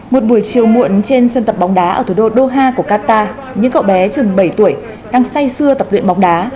một buổi chiều muộn trên sân tập bóng đá ở thủ đô doha của qatar những cậu bé chừng bảy tuổi đang say xưa tập luyện bóng đá